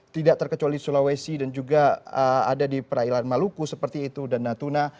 tidak terkecuali sulawesi dan juga ada di perairan maluku seperti itu dan natuna